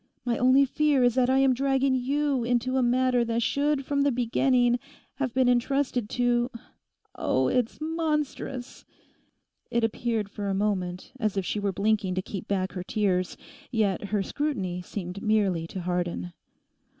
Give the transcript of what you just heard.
My only fear is that I am dragging you into a matter that should from the beginning have been entrusted to—Oh, it's monstrous!' It appeared for a moment as if she were blinking to keep back her tears, yet her scrutiny seemed merely to harden.